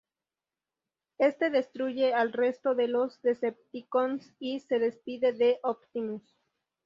Este destruye al resto de los Decepticons y se despide de Optimus.